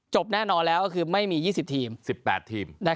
๒๐๑๗จบแล้วนอนแล้วคือไม่มี๒๐ทีม๑๘ทีม